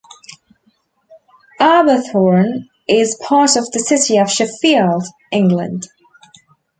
Arbourthorne is part of the city of Sheffield, England.